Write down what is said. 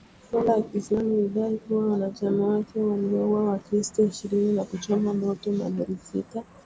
Dola ya Kiislamu ilidai kuwa wanachama wake waliwaua wakristo ishirini na kuchoma moto malori sita .